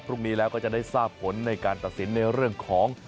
พรุ่งนี้แล้วก็จะได้ทราบผลในการตัดสินในเรื่องของ